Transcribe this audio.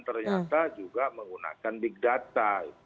ternyata juga menggunakan big data